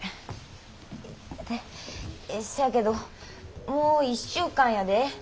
せやけどもう１週間やで。